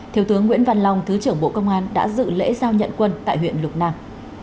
thiếu tướng nguyễn văn long thứ trưởng bộ công an đã dự lễ giao nhận quân tại huyện lục nam